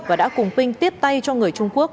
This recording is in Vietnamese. và đã cùng pinh tiếp tay cho người trung quốc